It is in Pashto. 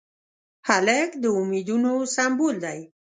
هلک د امیدونو سمبول دی.